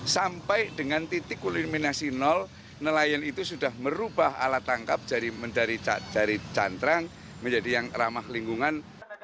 sampai dengan titik kuliminasi nelayan itu sudah merubah alat tangkap dari cantrang menjadi yang ramah lingkungan